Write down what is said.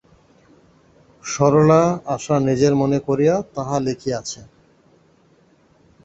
সরলা আশা নিজের মনে করিয়া তাহা লিখিয়াছে।